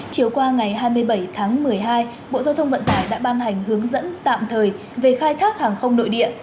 chiều qua ngày hai mươi bảy tháng một mươi hai bộ giao thông vận tải đã ban hành hướng dẫn tạm thời về khai thác hàng không nội địa